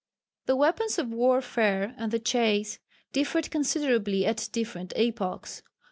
The weapons of warfare and the chase differed considerably at different epochs.